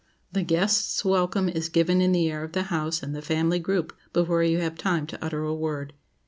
The guest's welcome is half given in the air of the house and the family group before you have time to utter a word.